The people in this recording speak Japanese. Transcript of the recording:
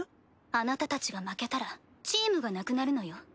あなたたちが負けたらチームがなくなるのよ？